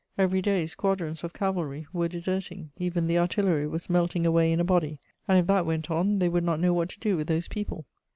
Every day, squadrons of cavalry were deserting; even the artillery was melting away in a body; and, if that went on, they would not know what to do with those people!"